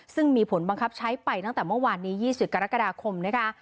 ซึ่งมีผลบังคับใช้ไปตั้งแต่เมื่อวานนี้๒๐กรกฎาคมนะคะ